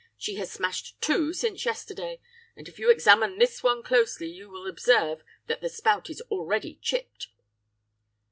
She has smashed two since yesterday, and if you examine this one closely you will observe that the spout is already chipped.